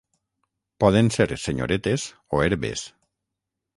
Poden ser senyoretes o herbes.